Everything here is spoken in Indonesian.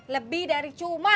lebih dari cuma